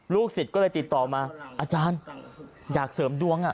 ลูกศิษย์ก็เลยติดต่อมาอาจารย์อยากเสริมดวงอ่ะ